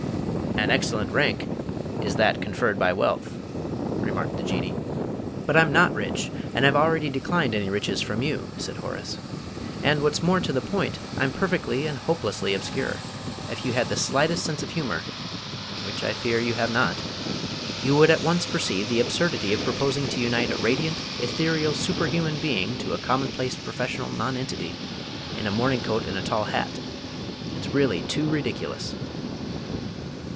"An excellent rank is that conferred by wealth," remarked the Jinnee. "But I'm not rich, and I've already declined any riches from you," said Horace. "And, what's more to the point, I'm perfectly and hopelessly obscure. If you had the slightest sense of humour which I fear you have not you would at once perceive the absurdity of proposing to unite a radiant, ethereal, superhuman being to a commonplace professional nonentity in a morning coat and a tall hat. It's really too ridiculous!"